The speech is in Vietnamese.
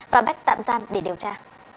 và bách tạm giam để điều tra